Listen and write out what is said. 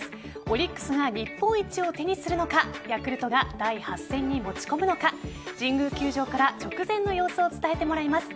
オリックスが日本一を手にするのかヤクルトが第８戦に持ち込むのか神宮球場から直前の様子を伝えてもらいます。